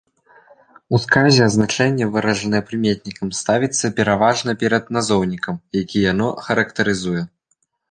У сказе азначэнне выражанае прыметнікам ставіцца пераважна перад назоўнікам, які яно характарызуе.